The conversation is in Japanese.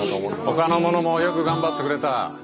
ほかの者もよく頑張ってくれた。